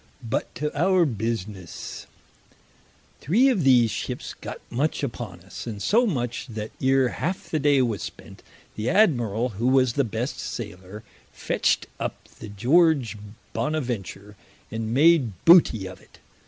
But to our businesse. Three of these ships got much upon us, and so much that ere halfe the day was spent, the Admirall who was the best sailer, fetcht up the George Bonaventure, and made booty of it.